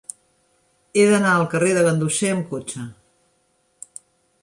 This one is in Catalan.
He d'anar al carrer de Ganduxer amb cotxe.